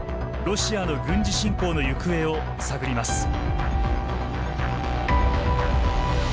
ロシアの軍事侵攻の行方を探ります。